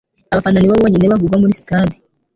abafana ni bo bonyine bavugwa muri sitade